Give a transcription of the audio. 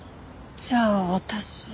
じゃあ私。